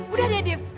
udah deh div